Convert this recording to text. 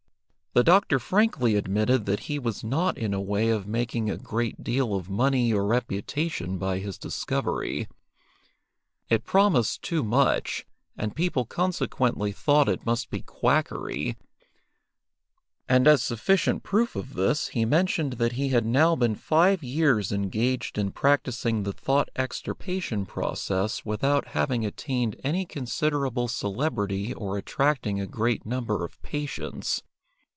The doctor frankly admitted that he was not in a way of making a great deal of money or reputation by his discovery. It promised too much, and people consequently thought it must be quackery, and as sufficient proof of this he mentioned that he had now been five years engaged in practising the Thought extirpation process without having attained any considerable celebrity or attracting a great number of patients.